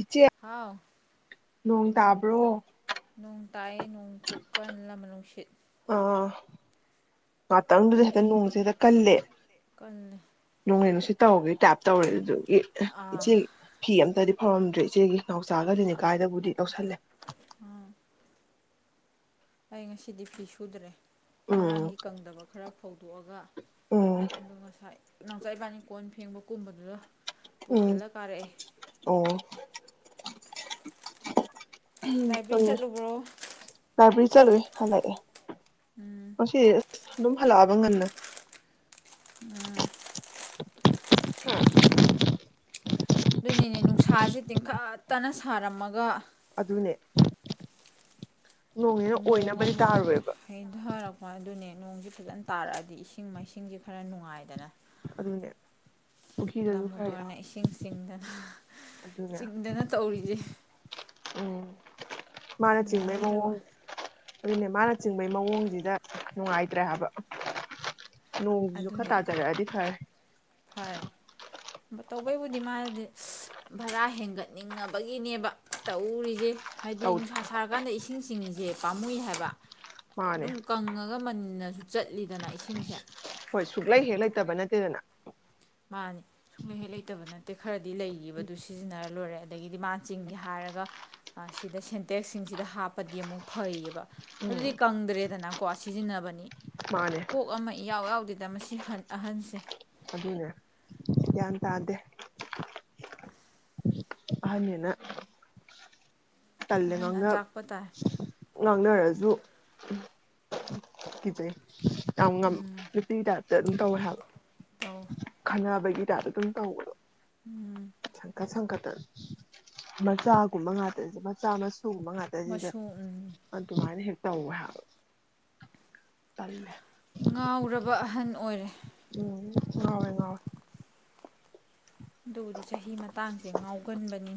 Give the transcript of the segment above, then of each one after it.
ꯏꯆꯦ ꯍꯥꯎ ꯅꯣꯡ ꯇꯥꯕ꯭ꯔꯣ ꯅꯣꯡ ꯇꯥꯏꯌꯦ ꯅꯣꯡ ꯈꯨꯀꯟ ꯑꯃꯥ ꯅꯨꯡꯁꯤꯠ ꯑ ꯉꯥꯛꯇꯪꯗꯨꯗ ꯅꯣꯏ ꯍꯦꯛꯇ ꯅꯣꯡꯁꯦ ꯍꯦꯛꯇ ꯀꯜꯂꯦ ꯀꯜꯂꯦ ꯅꯣꯡ ꯅꯨꯡꯁꯤ ꯍꯣꯒꯤ ꯇꯥꯞꯇ ꯇꯧꯏꯗꯨ ꯑꯥ ꯏꯆꯦ ꯐꯤꯑꯝ ꯇꯗꯤ ꯐꯥꯎꯔꯝꯗ꯭ꯔꯦ ꯏꯆꯦꯒꯤ ꯅꯥꯎꯆꯥꯒꯖꯅꯤ ꯀꯥꯏꯗꯕꯨꯗꯤ ꯂꯧꯁꯜꯂꯦ ꯑꯝ ꯑꯩ ꯉꯁꯤꯗꯤ ꯐꯤ ꯁꯨꯗ꯭ꯔꯦ ꯎꯝ ꯉꯥꯡꯒꯤ ꯀꯪꯗꯕ ꯈꯔ ꯐꯧꯗꯣꯛꯑꯒ ꯎꯝ ꯑꯗꯣ ꯉꯁꯥꯏ ꯅꯪꯀ ꯏꯕꯥꯅꯤ ꯀꯣꯟ ꯐꯦꯡꯕ ꯀꯨꯝꯕꯗꯨꯗ ꯎꯝ ꯄꯨꯈꯠꯂ ꯀꯥꯔꯛꯑꯦ ꯑꯣ ꯂꯥꯏꯕ꯭ꯔꯦꯔꯤ ꯆꯠꯂꯨꯕ꯭ꯔꯣ ꯇ ꯆꯠꯦ ꯍꯜꯂꯔꯦ ꯃꯁꯤꯁ ꯑꯗꯨꯝ ꯍꯜꯂꯛꯑꯕ ꯉꯟꯅ ꯎꯝ ꯑꯗꯨꯅꯤꯅꯦ ꯅꯨꯡꯁꯥꯁꯦ ꯇꯤꯡꯈꯠꯇꯅ ꯁꯥꯔꯝꯃꯒ ꯑꯗꯨꯅꯦ ꯅꯣꯡꯅꯤꯅ ꯅꯣꯡ ꯑꯣꯏꯅꯕꯗꯤ ꯑꯃꯨꯛ ꯇꯥꯔꯣꯏꯕ ꯍꯩꯊꯔꯛꯄ ꯑꯗꯨꯅꯦ ꯅꯣꯡꯁꯤ ꯐꯖꯅ ꯇꯥꯔꯛꯑꯗꯤ ꯏꯁꯤꯡ ꯃꯥꯏꯁꯤꯡꯁꯦ ꯈꯔ ꯅꯨꯡꯉꯥꯏꯗꯅ ꯑꯗꯨꯗꯅꯦ ꯗꯃꯨꯗꯣꯔꯅ ꯏꯁꯤꯡ ꯆꯁꯤꯡꯗꯅ ꯑꯗꯨꯅꯦ ꯆꯤꯡꯗꯅ ꯇꯧꯔꯤꯁꯦ [unintelligible] ꯃꯥꯅ ꯆꯤꯡꯕꯩ ꯆꯤꯡꯉꯔꯣꯏꯗꯕ ꯃꯋꯣꯡ ꯑꯗꯨꯅꯦ ꯃꯥꯅ ꯆꯤꯡꯕꯩ ꯃꯑꯣꯡꯖꯤꯗ ꯅꯨꯡꯉꯥꯏꯇ꯭ꯔꯦ ꯍꯥꯏꯕ ꯅꯣꯡꯖꯤꯖꯨ ꯈꯥ ꯇꯥꯖꯔꯛꯑꯗꯤ ꯐꯔꯦ ꯐꯥꯏꯕ ꯇꯧꯕꯩꯕꯨꯗꯤ ꯃꯥꯅꯗꯤ ꯁꯤ ꯚꯥꯔꯥ ꯍꯦꯟꯒꯠꯅꯤꯡꯉꯕꯒꯤꯅꯦꯕ ꯇꯧꯔꯤꯖꯦ ꯍꯥꯏꯗꯤ ꯇꯧ ꯅꯨꯡꯁꯥ ꯁꯥꯔꯀꯥꯟꯗ ꯏꯁꯤꯡ ꯆꯤꯡꯉꯤ ꯌꯦ ꯄꯥꯝꯃꯨꯏ ꯍꯥꯏꯕ ꯃꯥꯅꯦ ꯑꯗꯨꯝ ꯀꯪꯉꯥꯒ ꯃꯟ ꯅꯖꯨ ꯆꯠꯂꯤꯗꯅ ꯏꯁꯤꯡꯖꯦ ꯍꯣꯏ ꯁꯨꯛꯂꯩ ꯍꯦꯛ ꯂꯩꯇꯕ ꯅꯠꯇꯦꯗꯅ ꯃꯥꯅꯦ ꯁꯨꯡꯂꯩꯍꯦꯛ ꯂꯩꯇꯕ ꯅꯠꯇꯦ ꯈꯔ ꯗꯤ ꯂꯩꯌꯦꯕ ꯑꯗꯨ ꯁꯤꯖꯤꯟꯅꯔ ꯂꯣꯏꯔꯦ ꯃꯥꯥꯟ ꯆꯤꯡꯒꯦ ꯍꯥꯏꯔꯒ ꯑ ꯁꯤꯗ ꯁꯦꯟꯇꯦꯛꯁꯁꯤꯡꯁꯤꯗ ꯍꯥꯞꯄꯗꯤ ꯑꯃꯨꯛ ꯐꯩꯌꯦꯕ ꯎꯝ ꯑꯗꯨꯗꯤ ꯀꯪꯗ꯭ꯔꯦꯗꯅ ꯀꯣ ꯁꯤꯖꯤꯟꯅꯕꯅꯤ ꯃꯥꯅꯦ ꯀꯣꯛ ꯑꯃ ꯏꯌꯥꯎ ꯌꯥꯎꯗꯦ ꯃꯁꯤ ꯍꯟ ꯑꯍꯟꯁꯦ ꯑꯗꯨꯅꯦ ꯒ꯭ꯌꯥꯟ ꯇꯥꯗꯦ ꯑꯍꯟꯅꯦꯅ ꯇꯜꯂꯦ ꯑꯍꯟ ꯉꯥꯡꯅ ꯑꯆꯥꯛꯄ ꯇꯥꯏ ꯉꯥꯡꯅꯔꯖꯨ ꯎꯝ ꯀꯤꯖꯩ ꯌꯥꯝ ꯉꯝ ꯎꯝ ꯅꯨꯄꯤ ꯇꯥꯌꯞꯇꯥ ꯗꯨꯝ ꯇꯧꯌꯦ ꯍꯥꯏꯕ [inaudible] ꯕꯒꯤ ꯇꯌꯞꯇ ꯗꯨꯝ ꯇꯧꯕꯗꯣ ꯎꯝ ꯁꯪꯀꯠ ꯁꯪꯀꯠ ꯇ ꯃꯆꯥꯒꯨꯝꯕ ꯉꯥꯛꯇꯖꯦ ꯃꯆꯥ ꯃ ꯇꯨ ꯒꯨꯝꯕ ꯉꯥꯗꯖꯤꯗ ꯃꯁꯨ ꯎꯝ ꯑꯗꯨꯃꯥꯏꯅ ꯍꯦꯛ ꯇꯧꯌꯦ ꯍꯥꯏꯕ ꯇꯜꯂꯦ ꯉꯥꯎꯔꯕ ꯑꯍꯟ ꯑꯣꯏꯔꯦ ꯎꯝ ꯉꯥꯎꯌꯦ ꯉꯥꯎꯌꯦ ꯗꯨꯗꯤ ꯆꯍꯤ ꯃꯇꯥꯡꯖꯦ ꯉꯥꯎꯒꯟꯕꯅꯤ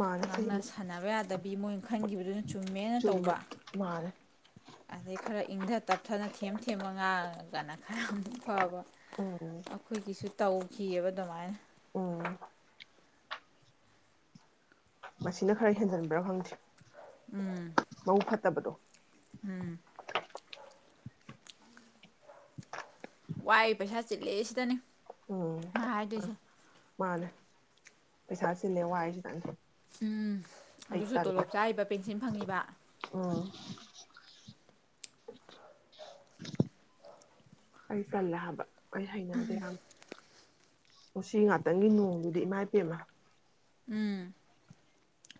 ꯃꯥꯅꯦ ꯉꯥꯡꯅ ꯁꯤꯃ ꯁꯥꯟꯅꯕ ꯌꯥꯗ ꯕꯤ ꯃꯣꯏ ꯈꯟꯒꯤꯕꯗꯨꯅ ꯆꯨꯝꯃꯦꯅ ꯆꯨꯝꯃꯦ ꯇꯧꯕ ꯃꯥꯅꯦ ꯑꯗꯩ ꯈꯔ ꯏꯪꯊ ꯇꯞꯊꯅ ꯊꯦꯝ ꯊꯦꯝꯃ ꯉꯥꯡꯉꯒꯅ ꯈꯔ ꯑꯝꯇ ꯐꯕ ꯎꯝ ꯑꯩꯈꯣꯏꯒꯤꯁꯨ ꯇꯧꯈꯤꯑꯕ ꯑꯗꯨꯃꯥꯏꯅ ꯎ ꯃꯁꯤꯅ ꯈꯔ ꯍꯦꯟꯖꯤꯟꯕ꯭ꯔꯥ ꯐꯪꯗ꯭ꯦ ꯎꯝ ꯇꯕꯗꯣ ꯋꯥꯏ ꯄꯩꯁꯥ ꯆꯤꯜꯂꯦ ꯁꯤꯗꯅꯤ ꯎꯝ ꯃꯍꯥꯏꯗꯁ ꯃꯥꯅꯦ ꯄꯩꯁꯥ ꯆꯤꯜꯂꯦ ꯋꯥꯁꯤꯗꯪꯅꯤ ꯎꯝ ꯑꯗꯨꯁꯨ ꯇꯣꯂꯣꯞ ꯆꯥꯔꯤꯕ ꯄꯦꯟꯁꯤꯜ ꯐꯪꯉꯤꯕ ꯎꯝ ꯑꯩꯛꯇꯂ ꯍꯥꯕ ꯑꯩ ꯍꯩꯅꯗꯦ ꯌꯥꯝ ꯉꯁꯤ ꯉꯥꯛꯇꯪꯒꯤ ꯅꯣꯡꯗꯨꯗꯤ ꯏꯃꯥ ꯏꯄꯦꯝꯃ ꯎꯝ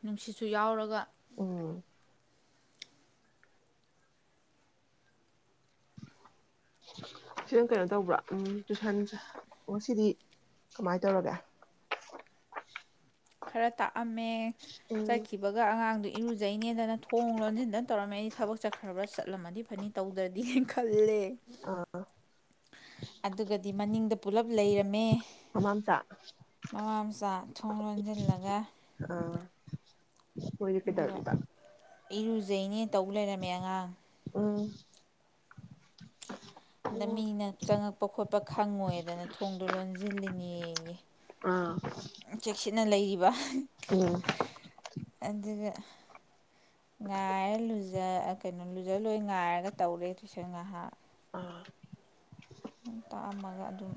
ꯅꯨꯡꯁꯤꯠꯁꯨ ꯌꯥꯎꯔꯒ ꯑꯣꯝ ꯁꯤꯗꯪ ꯀꯩꯅꯣ ꯇꯧꯕ꯭ꯔꯥ ꯎꯝ ꯇꯨꯏꯁꯟ ꯑꯣ ꯁꯤꯗꯤ ꯀꯃꯥꯏꯅ ꯇꯧꯔꯒꯦ ꯈꯔ ꯇꯥꯛꯑꯝꯃꯦ ꯎꯝ ꯆꯠꯈꯤꯕꯒ ꯑꯉꯥꯡꯗꯨ ꯏꯔꯨꯖꯥꯏ ꯉꯗꯅ ꯊꯣꯡ ꯂꯣꯟꯁꯤꯟꯗꯅ ꯇꯧꯔꯝꯃꯦ ꯑꯩ ꯊꯕꯛ ꯆꯠꯈ꯭ꯔꯕ꯭ꯔꯥ ꯆꯠꯂꯝꯃꯗꯤ ꯐꯅꯤ ꯇꯧꯗ꯭ꯔꯗꯤ ꯈꯜꯂꯦ ꯑ ꯑꯗꯨꯒꯗꯤ ꯃꯅꯤꯡꯗ ꯄꯨꯂꯞ ꯂꯩꯔꯝꯃꯦ ꯃꯃꯥꯝꯆꯥ ꯃꯃꯥ ꯃꯆꯥ ꯊꯣꯡ ꯂꯣꯟꯖ ꯑꯥ ꯑꯣꯏꯣꯏꯔ ꯀꯦꯗ ꯑꯗꯨꯒ ꯑꯗꯨꯗꯤꯗ ꯏꯔꯨꯖꯩꯅꯦ ꯇꯧ ꯂꯩꯔꯝꯃꯦ ꯑꯉꯥꯡ ꯑ ꯍꯟꯗꯛ ꯃꯤꯅ ꯆꯪꯉꯛꯄ ꯈꯣꯠꯄ ꯈꯪꯉꯣꯏꯗꯅ ꯊꯣꯡꯗꯣ ꯂꯣꯟꯁꯤꯜꯂꯤꯅꯦ ꯑꯥ ꯆꯦꯛꯁꯤ ꯅ ꯂꯩ ꯎꯝ ꯑꯗꯨꯒ ꯉꯥꯏꯔ ꯂꯨꯖ ꯀꯩꯅꯣ ꯂꯨꯖ ꯂꯣꯏ ꯉꯥꯏꯔꯒ ꯇꯧꯔꯦ ꯇꯨꯏꯁꯪ ꯉꯥꯏꯍꯥꯛ ꯑꯥ ꯇꯥꯛꯑꯝ ꯑꯃꯒ ꯑꯗꯨ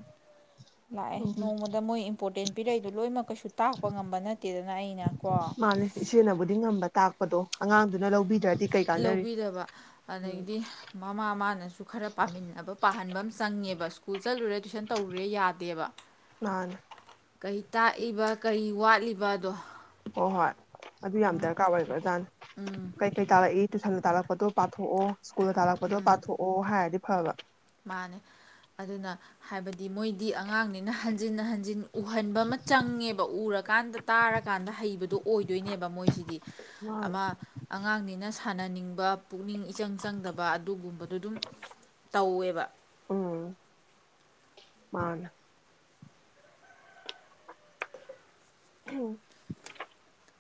ꯂꯥꯛꯑꯦ ꯎꯝ ꯅꯣꯡꯃꯗ ꯃꯣꯏ ꯏꯝꯄꯣꯔꯇꯦꯟ ꯄꯤꯔꯩꯗ ꯂꯣꯏꯅꯃꯛ ꯀꯩꯁꯨ ꯇꯥꯛꯄ ꯉꯝꯕ ꯅꯠꯇꯦꯗꯅ ꯑꯩꯅ ꯀꯣ ꯃꯥꯅꯦ ꯏꯆꯦꯅꯕꯨꯗꯤ ꯉꯝꯕ ꯇꯥꯛꯄꯗꯣ ꯑꯉꯥꯡꯗꯨꯅ ꯂꯧꯕꯤꯗ꯭ꯔꯅꯤ ꯂꯧꯕꯤꯗꯕ ꯑꯗꯒꯤꯗꯤ ꯃꯃꯥ ꯃꯥꯅꯁꯨ ꯈꯔ ꯄꯥꯃꯤꯟꯅꯕ ꯄꯥꯍꯟꯕ ꯑꯃ ꯆꯪꯉꯦꯕ ꯀꯨꯖꯜꯨꯔꯦ ꯇꯔꯨꯔꯦ ꯌꯥꯗꯦꯕ ꯃꯥꯅꯦ ꯀꯩ ꯇꯥꯛꯏꯕ ꯀꯩ ꯋꯥꯠꯂꯤꯕꯗꯣ ꯑꯣ ꯍꯣꯏ ꯑꯗꯨ ꯌꯥꯝ ꯗꯔꯀꯥꯔ ꯑꯣꯏꯕ ꯑꯣꯖꯥꯅ ꯎꯝ ꯀꯩꯀꯩ ꯇꯥꯂꯛꯏ ꯇꯨꯁꯟ ꯇꯥꯔꯛꯄꯗꯣ ꯄꯥꯊꯣꯛꯑꯣ ꯁꯀꯨꯜ ꯊꯥꯂꯛꯄꯠꯇ꯭ꯔꯣ ꯎꯝ ꯄꯥꯊꯣꯛꯑꯣ ꯍꯥꯏꯗꯤ ꯐꯕ ꯃꯥꯅꯦ ꯑꯗꯨꯅ ꯍꯥꯏꯕꯗꯤ ꯃꯣꯏꯗꯤ ꯑꯉꯥꯡꯅꯤꯅ ꯍꯟꯖꯤꯟꯅ ꯍꯟꯖꯤꯟ ꯎꯍꯟꯕ ꯑꯃ ꯆꯪꯉꯦꯕ ꯎꯔꯒ ꯀꯥꯟꯗ ꯇꯥꯔꯀꯥꯟꯗ ꯍꯩꯕꯗꯣ ꯑꯣꯏꯗ ꯗꯣꯏꯅꯦꯕ ꯃꯣꯏꯁꯤꯗꯤ ꯃꯥꯅꯦ ꯑꯃ ꯑꯉꯥꯡꯅꯤꯅ ꯁꯥꯟꯅꯅꯤꯡꯕ ꯄꯨꯛꯅꯤꯡ ꯏꯆꯪ ꯆꯪꯗꯕ ꯑꯗꯨꯒꯨꯝꯕ ꯑꯗꯨ ꯑꯗꯨꯝ ꯀꯑꯕ ꯎꯝ ꯃꯥꯅꯦ ꯊꯧ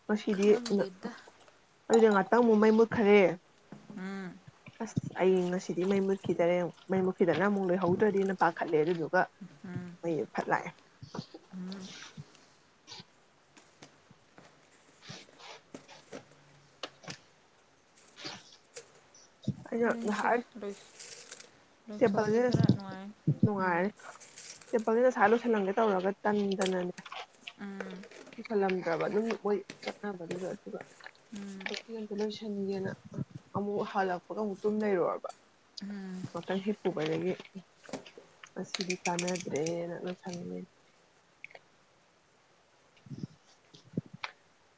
ꯉꯁꯤꯗꯤ ꯈꯪꯗꯦꯗ ꯑꯗꯨꯗ ꯉꯥꯛꯇꯪ ꯑꯃꯨꯛ ꯃꯩ ꯃꯨꯠ ꯍꯥꯏ ꯎꯝ ꯑꯩ ꯉꯁꯤꯗꯤ ꯃꯩ ꯃꯨꯠꯈꯤꯗꯔꯦꯨ ꯃꯩ ꯃꯨꯠꯈꯤꯗꯅ ꯑꯃꯨꯛ ꯂꯣꯏꯍꯧꯗ꯭ꯔꯗꯤꯦꯅ ꯄꯥꯈꯠꯂꯦ ꯑꯗꯨꯣ ꯑꯩ ꯐꯠ ꯂꯥꯛꯑꯦ ꯎꯝ [unintelligible] [unintelligible] ꯁꯤ ꯔꯣꯏꯁ ꯇꯦꯄꯜ ꯎꯝ ꯅꯨꯡꯉꯥꯏꯔꯦ ꯇꯦꯄꯜꯗꯤ ꯆꯁꯂꯨ ꯊꯅꯝꯒꯦ ꯇꯧꯔꯒ ꯇꯟꯗꯅꯅꯦ ꯎꯝ ꯀ ꯀꯂꯝ ꯠꯇ꯭ꯔ ꯑꯗꯨꯝꯣꯏ ꯆꯠꯅꯕ ꯀꯁ ꯁꯤꯟꯒꯦꯅ ꯑꯃꯨꯛ ꯍꯜꯂꯛꯄꯒ ꯑꯃꯨꯛ ꯇꯨꯝ ꯂꯩꯔꯨꯔꯕ ꯎꯝ ꯉꯥꯛꯇꯪ ꯍꯤꯞ ꯄꯨꯨꯕꯗꯒꯤ ꯑꯁꯤꯗꯤ ꯀꯥꯟꯅꯗ꯭ꯔꯦ ꯂꯣꯏ ꯁꯜꯂꯤꯅꯦ [inaudible]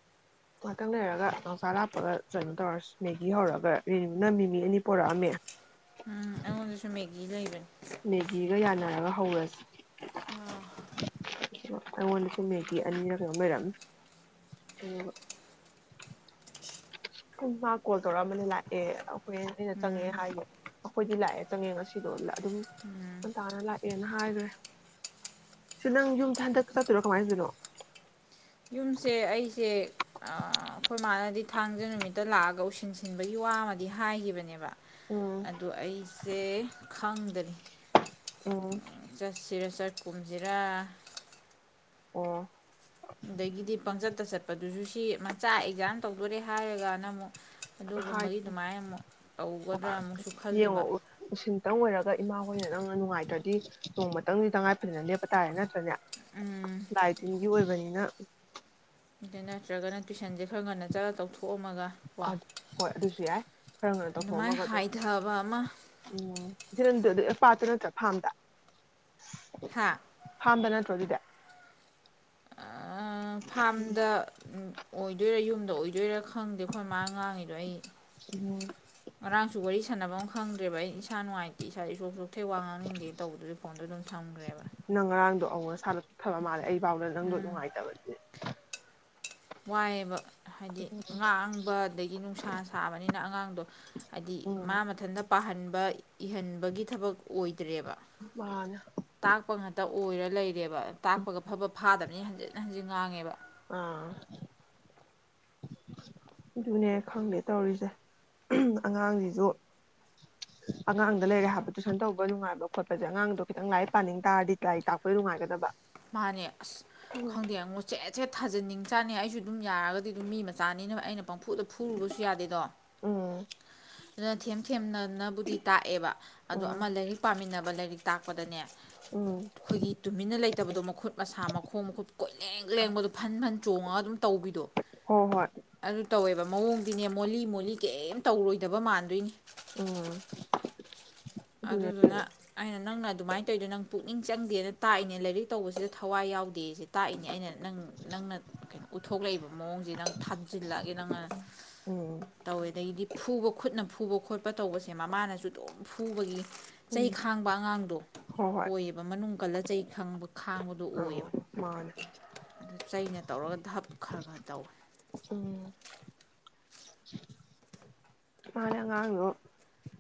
ꯉꯍꯥꯛꯇꯪ ꯂꯩꯔꯒ ꯅꯥꯎꯆꯥ ꯂꯥꯞꯄꯒ ꯀꯩꯅꯣ ꯇꯧꯔꯁꯤ ꯃꯦꯒꯤ ꯍꯧꯔꯒ ꯔꯤꯅꯨꯅ ꯃꯤꯃꯤ ꯑꯅꯤ ꯄꯣꯔꯛꯑꯝꯃꯦ ꯑꯩꯉꯣꯟꯗꯨꯁꯨ ꯃꯦꯒꯤ ꯂꯩꯕꯅꯤ ꯍꯧꯔꯁꯦ ꯑꯥ ꯑꯩꯉꯣꯟꯗꯁꯨ ꯃꯦꯒꯤ ꯑꯅꯤꯔ ꯀꯩꯅꯣꯝ ꯂꯩꯔꯝꯃꯤ ꯑꯗꯨꯒ ꯎꯝ ꯃꯥ ꯀꯣꯜ ꯇꯧꯔꯛꯑꯝꯕꯅꯦ ꯂꯥꯛꯑꯦ ꯑꯩꯈꯣꯏ ꯑꯩꯅ ꯆꯪꯉꯦ ꯎꯝ ꯍꯥꯏꯒꯣ ꯑꯩꯈꯣꯏꯗꯤ ꯂꯥꯛꯑꯦ ꯆꯪꯉꯦ ꯉꯁꯤꯗꯣ ꯑꯗꯨꯝ ꯉꯟꯇꯥꯅ ꯂꯥꯛꯑꯦꯅ ꯍꯥꯏꯈ꯭ꯔꯦ ꯁꯤ ꯅꯪ ꯌꯨꯝꯗ ꯍꯟꯗꯛ ꯆꯠꯇꯣꯏꯔꯣ ꯀꯃꯥꯏꯅꯊꯧꯗꯣꯏꯅꯣ ꯌꯨꯝꯁꯦ ꯑꯩꯁꯦ ꯑꯩꯈꯣꯏ ꯃꯥꯅꯗꯤ ꯊꯥꯡꯖ ꯅꯨꯃꯤꯠꯇ ꯂꯥꯛꯑꯒ ꯎꯁꯤꯟꯁꯤꯟꯕꯒꯤ ꯋꯥ ꯑꯃꯗꯤ ꯍꯥꯏꯈꯤꯕꯅꯦꯕ ꯎꯝ ꯑꯗꯣ ꯑꯩꯁꯦ ꯈꯪ ꯗ꯭ꯔꯤ ꯎꯝ ꯆꯠꯁꯤꯔ ꯆꯠꯀꯨꯝꯖꯤꯔꯥ ꯑꯣ ꯑꯗꯥꯒꯤꯗꯤ ꯄꯪꯆꯠꯇ ꯆꯠꯄꯗꯨꯁꯨ ꯁꯤ ꯃꯆꯥ ꯑꯦꯛꯖꯥꯝ ꯇꯧꯗꯣꯔꯦ ꯍꯥꯏꯔꯒꯅ ꯑꯃꯨꯛ ꯑꯗꯨꯒꯨꯝꯕꯒꯤ ꯍꯥꯏꯗꯣꯏꯅꯦ ꯑꯗꯨꯃꯥꯏꯅ ꯑꯃꯨꯛ ꯇꯧꯒꯗ꯭ꯔꯥ ꯍꯥꯏ ꯑꯃꯨꯛꯁꯨ ꯌꯦꯡꯉꯣ ꯈꯜꯂꯤꯕ ꯎꯁꯤꯟꯇꯪ ꯑꯣꯏꯔꯒ ꯏꯃꯥ ꯍꯣꯏꯅ ꯅꯪꯅ ꯅꯨꯡꯉꯥꯏꯇ꯭ꯔꯗꯤ ꯅꯣꯡꯃꯇꯪꯗꯤ ꯇꯉꯥꯏꯐꯗꯅ ꯂꯦꯞꯄ ꯇꯥꯔꯦ ꯅꯠꯇ꯭ꯔꯅꯦ ꯎꯝ ꯂꯥꯏ ꯇꯤꯟꯒꯤ ꯑꯣꯏꯕꯅꯤ ꯅ ꯑꯗꯨ ꯅꯠꯇ꯭ꯔꯒꯅ ꯇꯨꯏꯁꯟꯁꯦ ꯈꯔ ꯆꯥꯎꯊꯣꯛꯑꯝꯃꯒ ꯍꯣꯏ ꯑꯗꯨꯁꯨ ꯌꯥꯏ ꯈꯔ ꯉꯟꯅꯥ ꯑꯗꯨꯃꯥꯏꯅ ꯇꯧꯊꯣꯛꯑꯝꯃꯒ ꯑꯗꯨ ꯍꯥꯏꯊꯕ ꯑꯃ ꯎꯝ ꯄꯥꯠꯇ ꯅꯠꯇ꯭ꯔꯥ ꯐꯥꯝꯗ ꯍꯥ ꯐꯥꯝꯗ ꯅꯠꯇ꯭ꯔꯣ ꯑꯗꯨꯗꯤ ꯑꯥ ꯐꯥꯝꯗ ꯑꯣꯏꯗꯣꯏꯔꯥ ꯌꯨꯝꯗ ꯑꯣꯏꯗꯣꯏꯔꯥ ꯈꯪꯗꯦ ꯑꯩꯈꯣꯏ ꯃꯥ ꯉꯥꯡꯉꯤꯗꯣ ꯑꯩ ꯎꯝ ꯉꯔꯥꯡꯁꯨ ꯋꯥꯔꯤ ꯁꯥꯟꯅꯕꯝ ꯈꯪꯗ꯭ꯔꯦꯕ ꯑꯩ ꯏꯁꯥ ꯅꯨꯡꯉꯥꯏꯇꯦ ꯏꯁꯥꯗꯤ ꯁꯣꯛ ꯁꯣꯛꯊꯩ ꯋꯥ ꯉꯥꯡꯅꯤꯡꯗꯦ ꯇꯧꯕꯗꯨꯗꯤ ꯐꯣꯟꯗꯣ ꯑꯗꯨꯝ ꯊꯝꯈ꯭ꯔꯦꯕ [unintelligible] ꯐꯕ ꯃꯥꯜꯂꯦ ꯑꯩ ꯐꯥꯎꯗ ꯅꯪꯗꯣ ꯅꯨꯡꯉꯥꯏꯇꯕꯁꯤꯗꯤ ꯋꯥꯏꯌꯦꯕ ꯍꯥꯏꯗꯤ ꯉꯥꯡꯕ ꯑꯗꯒꯤ ꯅꯨꯡꯁꯥ ꯁꯥꯕꯅꯤꯅ ꯑꯉꯥꯡꯗꯣ ꯍꯥꯏꯗꯤ ꯎꯝ ꯃꯥ ꯃꯊꯟꯇ ꯄꯥꯍꯟꯕ ꯕꯥ ꯏꯍꯟꯕꯒꯤ ꯊꯕꯛ ꯑꯣꯏꯗ꯭ꯔꯦꯕ ꯃꯥꯅꯦ ꯇꯥꯛꯄ ꯑꯣꯏꯔ ꯂꯩꯔꯦꯕ ꯇꯥꯛꯄꯒ ꯐꯥꯐꯠ ꯐꯥꯗꯕꯅꯤ ꯍꯟꯖꯤꯟ ꯍꯟꯖꯤꯟ ꯉꯥꯡꯉꯦꯕ ꯑꯥ ꯑꯗꯨꯅꯦ ꯈꯪꯗꯦ ꯇꯧꯔꯤꯁꯦ ꯑꯉꯥꯡꯁꯤꯁꯨ ꯑꯉꯥꯡꯗ ꯂꯩꯔꯦ ꯍꯥꯏꯕ ꯇꯨꯏꯁꯟ ꯇꯧꯕ ꯅꯨꯡꯉꯥꯏꯕ ꯈꯣꯠꯄꯁꯦ ꯑꯉꯥꯡꯗꯣ ꯈꯤꯇꯪ ꯂꯥꯏꯔꯤꯛ ꯄꯥꯅꯤꯡ ꯇꯥꯔꯗꯤ ꯂꯥꯏꯔꯤꯛ ꯇꯥꯛꯄꯩ ꯅꯨꯡꯉꯥꯏꯒꯗꯕ ꯃꯥꯅꯦ ꯑꯁ ꯈꯪꯗꯦꯉꯣ ꯁꯦꯠ ꯁꯦꯠ ꯊꯥꯖꯟꯅꯤꯡ ꯆꯥꯅꯤ ꯑꯩꯁꯨ ꯑꯗꯨꯝ ꯌꯥꯔꯒꯗꯤ ꯑꯗꯨꯝ ꯃꯤ ꯃꯆꯥꯅꯤꯅ ꯑꯩꯅ ꯄꯪꯐꯨꯗ ꯐꯨꯔꯨꯕꯁꯨ ꯌꯥꯗꯦꯗꯣ ꯎꯝ ꯑꯗꯨꯅ ꯊꯦꯝ ꯊꯦꯝꯅꯅꯕꯨꯗꯤ ꯇꯥꯛꯑꯦꯕ ꯑꯗꯣ ꯎꯝ ꯑꯃ ꯂꯥꯏꯔꯤꯛ ꯄꯥꯃꯤꯟꯅꯕ ꯂꯥꯏꯔꯤꯛ ꯇꯥꯛꯄꯗꯅꯦ ꯎꯝ ꯑꯩꯈꯣꯏꯒꯤ ꯇꯨꯃꯤꯟꯅ ꯂꯩ ꯑꯗꯣ ꯃꯈꯨꯠ ꯃꯁꯥ ꯃꯈꯣꯡ ꯃꯈꯨꯠ ꯀꯣꯏꯂꯦꯡ ꯂꯦꯡꯕꯗꯣ ꯐꯟ ꯐꯟ ꯆꯣꯡꯉꯒ ꯑꯗꯨꯝ ꯇꯧꯕꯤꯗꯣ ꯍꯣꯏ ꯍꯣꯏ ꯑꯗꯨ ꯇꯧꯋꯦꯕ ꯃꯑꯣꯡꯗꯤꯅꯦ ꯃꯣꯜꯂꯤ ꯃꯣꯜꯂꯤ ꯀꯩꯝ ꯇꯧꯔꯣꯏꯗꯕ ꯃꯥꯟꯗꯣꯏꯅꯤ ꯎꯝ ꯑꯗꯨꯅꯦ ꯑꯗꯨꯗꯨꯅ ꯑꯩꯅ ꯅꯪꯅ ꯑꯗꯨꯃꯥꯏꯟ ꯇꯧꯏꯗꯣ ꯅꯪ ꯄꯨꯛꯅꯤꯡ ꯆꯪꯗꯦꯅ ꯇꯥꯛꯏꯅꯦ ꯂꯥꯏꯔꯤꯛ ꯇꯧꯕꯁꯤꯗ ꯊꯋꯥꯏ ꯌꯥꯎꯗꯦꯁꯦ ꯇꯥꯛꯏꯅꯦ ꯑꯩꯅ ꯅꯪ ꯅꯪ ꯅꯪꯅ ꯀꯩꯅꯣ ꯎꯠꯊꯣꯛꯂꯛꯏꯕ ꯃꯑꯣꯡꯖꯦ ꯅꯪ ꯊꯥꯖꯤꯜꯂꯛꯑꯒꯦ ꯅꯪꯅ ꯎꯝ ꯇꯧꯋꯦ ꯑꯗꯩꯗꯤ ꯐꯨꯕ ꯈꯨꯠꯅ ꯐꯨꯕ ꯈꯣꯠꯄ ꯇꯧꯕꯁꯦ ꯃꯃꯥꯅꯁꯨ ꯑꯗꯨꯝ ꯐꯨ ꯐꯨꯕꯒꯤ ꯎꯝ ꯆꯩ ꯈꯥꯡꯕ ꯑꯉꯥꯡꯗꯣ ꯍꯣꯏ ꯍꯣꯏ ꯑꯣꯏꯌꯦꯕ ꯃꯅꯨꯡ ꯀꯜꯂ ꯆꯩꯩ ꯈꯪꯕ ꯈꯥꯡꯕꯗꯣ ꯑ ꯑꯣꯏꯌꯦꯕ ꯃꯥꯅꯦ ꯑꯗꯨ ꯆꯩꯅ ꯇꯧꯔꯒ ꯙꯞ ꯈꯔ ꯈꯔ ꯇꯧꯋꯦ ꯃꯥ ꯅꯦ ꯑꯉꯥꯡꯗꯣ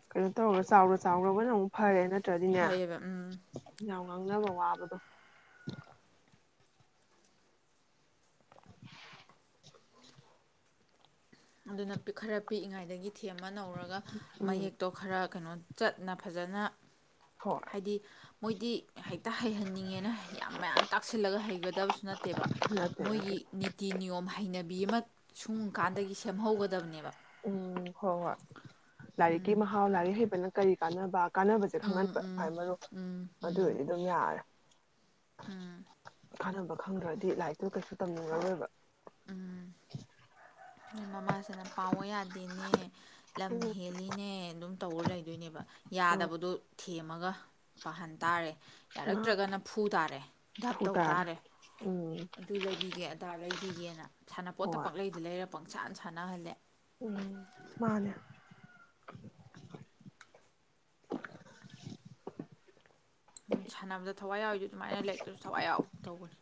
ꯀꯩꯅꯣ ꯇꯧꯔ ꯆꯥꯎꯔ ꯆꯥꯎꯔꯒꯅ ꯑꯃꯨꯛ ꯐꯔꯦ ꯅꯠꯇ꯭ꯔꯗꯤꯅꯦ ꯐꯩꯌꯦꯕ ꯎꯝ ꯌꯥꯝ ꯉꯥꯡꯅꯕ ꯋꯥꯕꯗꯣ ꯑꯗꯨꯅ ꯈꯔ ꯄꯤꯛꯏꯉꯩꯗꯒꯤ ꯊꯦꯝꯃꯥ ꯅꯧꯔꯒ ꯎꯝ ꯃꯌꯦꯛꯇꯣ ꯈꯔ ꯀꯩꯅꯣ ꯆꯠꯅ ꯐꯖꯅ ꯍꯣꯏ ꯍꯥꯏꯗꯤ ꯃꯣꯏꯗꯤ ꯍꯦꯛꯇ ꯍꯩꯍꯟꯅꯤꯡꯉꯦꯅ ꯌꯥꯝ ꯃꯌꯥꯝ ꯇꯥꯛꯁꯤꯜꯂꯒ ꯍꯩꯒꯗꯕꯁꯨ ꯅꯠꯇꯦꯕ ꯅꯠꯇꯦ ꯅꯠꯇꯦ ꯃꯣꯏꯒꯤ ꯅꯤꯇꯤ ꯅꯤꯌꯣꯝ ꯍꯩꯅꯕꯤ ꯕꯤ ꯑꯃ ꯁꯨꯡ ꯀꯥꯟꯗꯒꯤ ꯁꯦꯝ ꯍꯧꯒꯗꯕꯅꯦꯕ ꯎꯝ ꯍꯣꯏ ꯍꯣꯏ ꯂꯥꯏꯔꯤꯛꯀꯤ ꯃꯍꯥꯎ ꯂꯥꯏꯔꯤꯛ ꯍꯩꯕ ꯅ ꯀꯔꯤ ꯀꯥꯟꯅꯕ ꯀꯥꯟꯅꯕꯖꯦ ꯎꯝ ꯈꯪꯍꯟꯕ ꯎꯝ ꯈꯋꯥꯏ ꯃꯔꯨ ꯎꯝ ꯑꯗꯨꯑꯣꯏꯗꯤ ꯗꯨꯝ ꯌꯥꯔꯦ ꯎꯝ ꯀꯥꯟꯅꯕ ꯈꯪꯗ꯭ꯔꯗꯤ ꯂꯥꯏꯔꯤꯛꯇꯨ ꯀꯩꯁꯨ ꯇꯝꯅꯤꯡꯉꯔꯣꯏꯕ ꯃꯃꯥꯁꯤꯅ ꯄꯥꯎꯑꯣ ꯌꯥꯗꯦꯅꯦ ꯎꯝ ꯂꯝꯍꯦꯂꯤꯅꯦ ꯑꯗꯨꯝ ꯇꯧꯔ ꯂꯩꯗꯣꯏꯅꯦꯕ ꯑ ꯌꯥꯗꯕꯗꯣ ꯊꯦꯝꯃꯒ ꯄꯥꯍꯟ ꯇꯥꯔꯦ ꯃꯥ ꯌꯥꯔꯛꯇ꯭ꯔꯒꯅ ꯐꯨ ꯇꯥꯔꯦ ꯙꯞ ꯇꯧ ꯇꯥꯔꯦ ꯎꯝ ꯑꯗꯨ ꯂꯩꯕꯤꯒꯦ ꯑꯗꯥ ꯂꯩꯕꯤꯒꯦꯅ ꯁꯥꯟꯅꯄꯣꯠꯇ ꯍꯣꯏ ꯄꯥꯛꯂꯩꯗ ꯂꯩꯔ ꯏꯁꯥꯥꯟꯅ ꯁꯥꯟꯅꯍꯜꯂꯦ ꯎꯝ ꯃꯥꯅꯦ [inaudible] ꯎꯝ ꯁꯥꯟꯅꯕꯗ ꯊꯋꯥꯏ ꯌꯥꯎꯔꯤ ꯁꯨꯃꯥꯏꯅ ꯂꯥꯏꯔꯤꯛꯇꯁꯨ ꯊꯋꯥꯏ ꯌꯥꯎ ꯇꯧꯕꯅꯤ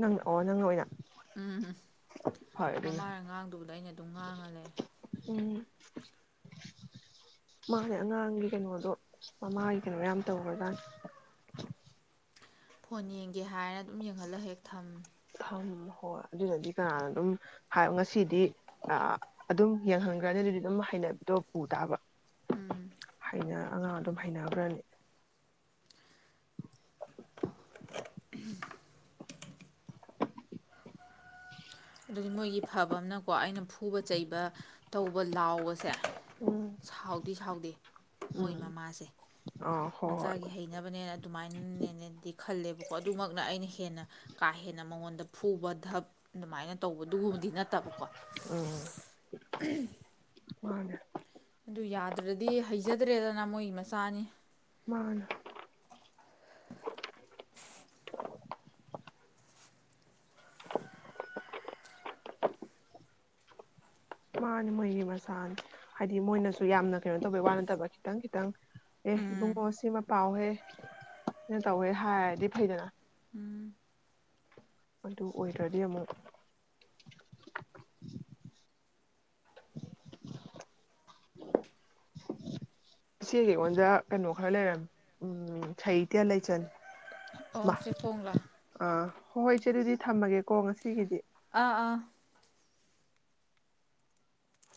ꯅꯪ ꯑꯣ ꯅꯪ ꯑꯣꯏꯅ ꯎꯝ ꯎꯝ ꯍꯣꯏ ꯑꯗꯨꯅ ꯃꯃꯥꯅ ꯉꯥꯡꯗꯨꯕꯗꯨ ꯑꯩꯅ ꯑꯗꯨꯝ ꯉꯥꯡꯉ ꯂꯩꯔꯝ ꯎꯝ ꯃꯥꯅꯦ ꯑꯉꯥꯡꯒꯤ ꯀꯩꯅꯣꯗꯣ ꯃꯃꯥꯒꯤ ꯀꯩꯅꯣ ꯌꯥꯝ ꯇꯧꯈ꯭ꯔꯖꯥꯅꯦ ꯐꯣꯟ ꯌꯦꯡꯒꯦ ꯍꯥꯏꯔ ꯁꯨꯝ ꯌꯦꯡꯍꯜꯂꯒ ꯍꯦꯛ ꯊꯝ ꯊꯝꯃꯣ ꯍꯣꯏ ꯑꯗꯨꯅꯗꯤ ꯀꯅꯥꯅꯣ ꯑꯗꯨꯝ ꯍꯥꯏ ꯉꯁꯤꯗꯤ ꯑꯗꯨꯝ ꯌꯦꯡꯍꯟꯈ꯭ꯔꯅꯤ ꯑꯗꯨꯗꯤ ꯑꯗꯨꯝ ꯍꯩꯅꯕꯤꯗꯣ ꯄꯨ ꯇꯥꯕ ꯎꯝ ꯍꯩꯅ ꯑꯉꯥꯡ ꯑꯗꯨꯝ ꯍꯩꯅꯒꯔꯥꯅꯤ [inaudible] ꯑꯗꯨꯗꯤ ꯃꯣꯏꯒꯤ ꯐꯕ ꯑꯃꯅꯀꯣ ꯑꯩꯅ ꯐꯨꯕ ꯆꯩꯕ ꯇꯧꯕ ꯂꯥꯎꯕꯁꯦ ꯎꯝ ꯁꯥꯎꯗꯤ ꯁꯥꯎꯗꯦ ꯃꯣꯏ ꯃꯃꯥꯁꯦ ꯑꯥ ꯍꯣꯏ ꯍꯣꯏ ꯃꯆꯥꯒꯤ ꯍꯩꯅꯕꯅꯦꯅ ꯑꯗꯨꯃꯥꯏꯅꯅꯦꯅꯦꯗꯤ ꯈꯜꯂꯦꯕ ꯑꯗꯨꯃꯛꯅ ꯑꯩꯅ ꯍꯦꯟꯅ ꯀꯥ ꯍꯦꯟꯅ ꯃꯉꯣꯟꯗ ꯐꯨꯕ ꯙꯕ ꯑꯗꯨꯃꯥꯏꯅ ꯇꯧꯕꯗꯨꯒꯨꯝꯕꯗꯤ ꯅꯠꯇꯕꯀꯣ ꯎꯝ ꯃꯥꯅꯦ ꯑꯗꯨ ꯌꯥꯗ꯭ꯔꯗꯤ ꯍꯩꯖꯗ꯭ꯔꯦꯗꯅ ꯃꯣꯏꯒꯤ ꯃꯆꯥꯅꯤ ꯃꯥꯅꯤ [inaudible] ꯃꯥꯅꯦ ꯃꯣꯏꯒꯤ ꯃꯁꯥꯅꯤ ꯍꯥꯏꯗꯤ ꯃꯣꯏꯅꯁꯨ ꯌꯥꯝꯅ ꯀꯩꯅꯣ ꯇꯧꯕ ꯋꯥ ꯅꯠꯇꯕ ꯈꯤꯇꯪ ꯈꯤꯇꯪ ꯑꯦ ꯏꯕꯨꯡꯉ ꯁꯤꯃ ꯄꯥꯎꯍꯦ [unintelligible] ꯇꯧꯋꯦ ꯍꯥꯏꯔꯗꯤ ꯐꯩꯗꯅ ꯑꯗꯨ ꯑꯣꯏꯗꯔꯥꯗꯤ ꯑꯃꯨꯛ ꯏꯆꯦꯁꯤ ꯑꯣꯖꯥ ꯈꯔ ꯂꯩꯔꯝ ꯎꯝ ꯁꯩꯇꯌꯥ ꯂꯩꯆꯟ ꯑꯣ ꯃꯥ ꯆꯦꯐꯣꯡꯪꯂ ꯑꯥ ꯍꯣꯏ ꯍꯣꯏ ꯏꯦ ꯑꯗꯨꯗꯤ ꯊꯝꯃꯒꯦꯀꯣ ꯉꯁꯤꯒꯤꯗꯤ ꯑꯥ ꯑꯥ